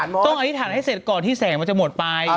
ป้องเจ็บว่าต้องอธิษฐานให้เสร็จก่อนที่แสงมันจะหมดไป